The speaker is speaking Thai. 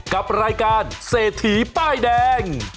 กับรายการเศรษฐีป้ายแดง